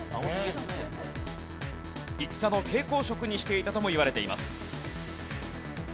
戦の携行食にしていたともいわれています。